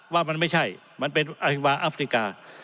ว่ามันไม่ใช่มันเป็นอฮิวาอัฟริกา